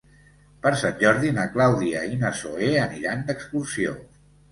Per Sant Jordi na Clàudia i na Zoè aniran d'excursió.